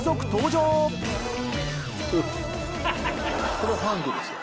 これはファンクですよ。